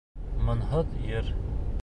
Моңһоҙ йыр.